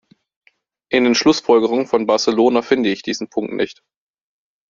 In den Schlussfolgerungen von Barcelona finde ich diesen Punkt nicht.